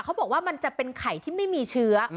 เขาบอกว่ามันจะเป็นไข่ที่ไม่มีเชื้อ